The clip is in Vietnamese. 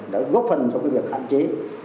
đã góp phần trong việc hạn chế